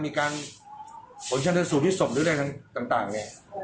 มีการผลชนสูตรที่สมหรืออะไรต่าง